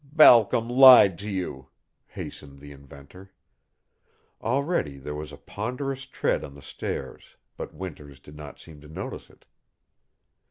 "Balcom lied to you," hastened the inventor. Already there was a ponderous tread on the stairs, but Winters did not seem to notice it.